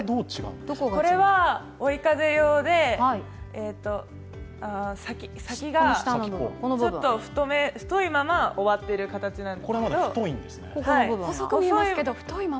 これは追い風用で、先がちょっと太いまま終わってる形なんですけど。